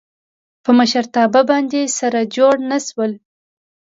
په مشرتابه باندې سره جوړ نه شول.